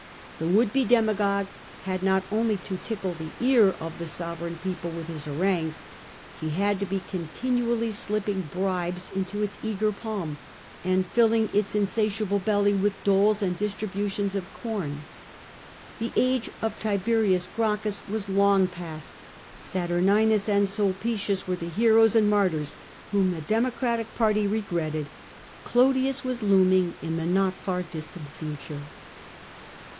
The would be demagogue had not only to tickle the ear of the sovereign people with his harangues; he had to be continually slipping bribes into its eager palm, and filling its insatiable belly with doles and distributions of corn. The age of Tiberius Gracchus was long past ; Saturninus and Sulpieius were the heroes and martyrs whom the Democratic party regretted. Clodius was looming in the not far distant future.